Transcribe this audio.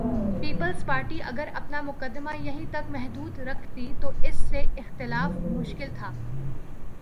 Peoples Party اگر اپنا مقدمہ یہیں تک محدود رکھتی تو اس سے اختلاف مشکل تھا۔